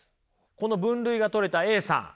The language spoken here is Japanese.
この分類が取れたＡさん。